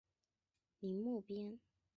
宁木边。